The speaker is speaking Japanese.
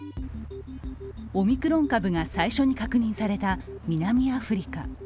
オミクロン株が最初に確認された南アフリカ。